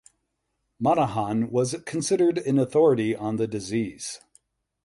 Monaghan was considered an authority on the disease.